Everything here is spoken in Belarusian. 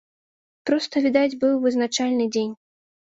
Проста, відаць, быў вызначальны дзень.